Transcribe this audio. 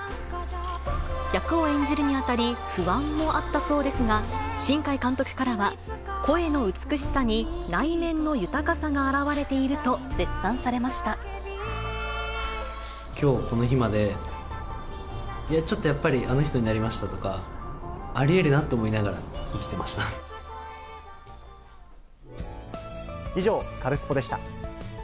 役を演じるにあたり、不安もあったそうですが、新海監督からは、声の美しさに内面の豊かさが表れていると、きょう、この日まで、いや、ちょっとやっぱりあの人になりましたとかありえるなって思いなが以上、カルスポっ！でした。